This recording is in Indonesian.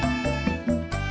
aku mau berbual